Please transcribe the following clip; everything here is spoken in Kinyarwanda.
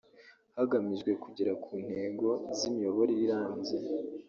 hagamijwe kugera ku ntego z’imiyoborere irambye